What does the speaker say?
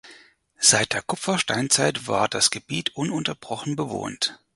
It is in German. Seit der Kupfersteinzeit war das Gebiet ununterbrochen bewohnt.